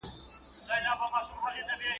o د بل په اوږو مياشت گوري.